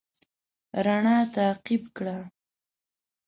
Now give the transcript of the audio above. رڼا تعقيب کړه.